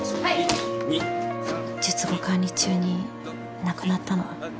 １２３術後管理中に亡くなったの。